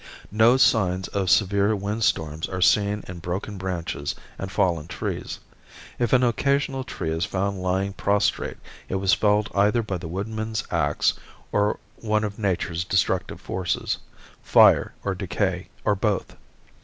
No signs of severe windstorms are seen in broken branches and fallen trees. If an occasional tree is found lying prostrate it was felled either by the woodman's ax or one of nature's destructive forces, fire or decay, or both.